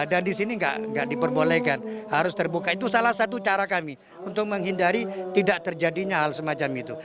dan di sini tidak diperbolehkan harus terbuka itu salah satu cara kami untuk menghindari tidak terjadinya hal semacam itu